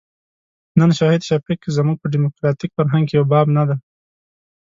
نن شهید شفیق زموږ په ډیموکراتیک فرهنګ کې یو باب نه دی.